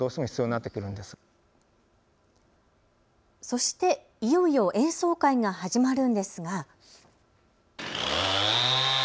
そして、いよいよ演奏会が始まるんですが。